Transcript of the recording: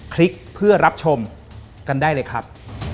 คลิกเพื่อรับชมกันได้เลยครับ